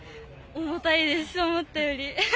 重たいです、思ったより。